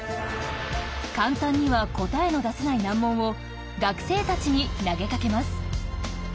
簡単には答えの出せない難問を学生たちに投げかけます。